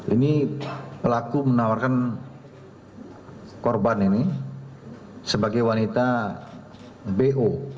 ini pelaku menawarkan korban ini sebagai wanita bo